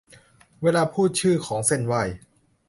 เวลาพูดชื่อของเซ่นไหว้